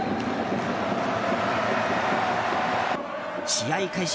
試合開始